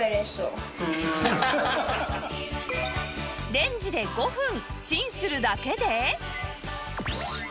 レンジで５分チンするだけで